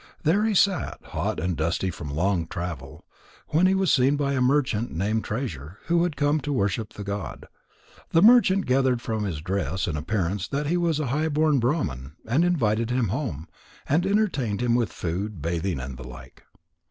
There he sat, hot and dusty from long travel, when he was seen by a merchant named Treasure who had come to worship the god. The merchant gathered from his dress and appearance that he was a high born Brahman, and invited him home, and entertained him with food, bathing, and the like.